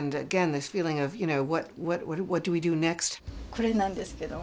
これなんですけども。